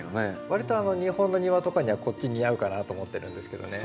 わりと日本の庭とかにはこっち似合うかなと思ってるんですけどね。